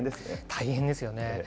大変ですよね。